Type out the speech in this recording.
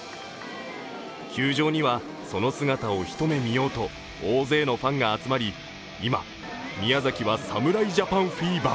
球場にはその姿を一目見ようと大勢のファンが集まり、今、宮崎は侍ジャパンフィーバー。